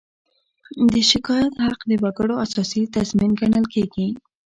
د شکایت حق د وګړو اساسي تضمین ګڼل کېږي.